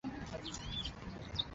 蹄较大。